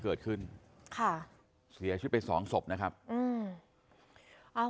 เกิดขึ้นค่ะเสียชีวิตไปสองศพนะครับอืมเอา